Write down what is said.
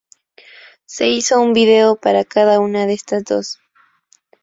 Se hizo un video para cada una de estas dos.